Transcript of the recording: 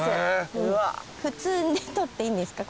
普通に撮っていいんですか？